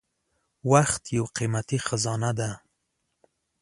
• وخت یو قیمتي خزانه ده.